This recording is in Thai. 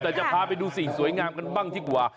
แต่จะพาไปดูสิ่งสวยงามกันบ้างดีกว่า